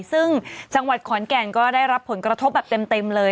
ซึ่งจังหวัดขอนแก่นก็ได้รับผลกระทบแบบเต็มเลย